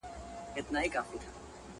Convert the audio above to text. په دا ماته ژبه چاته پیغام ورکړم؛